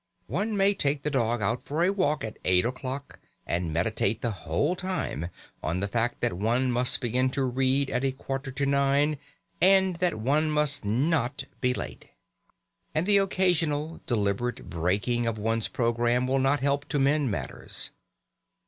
One may take the dog out for a walk at eight o'clock, and meditate the whole time on the fact that one must begin to read at a quarter to nine, and that one must not be late. And the occasional deliberate breaking of one's programme will not help to mend matters.